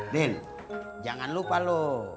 din jangan lupa lo